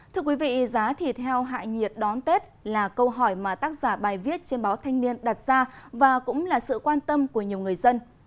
thưa quý vị giá thịt heo hại nhiệt đón tết là câu hỏi mà tác giả bài viết trên báo thanh niên đặt ra và cũng là sự quan tâm của nhiều người dân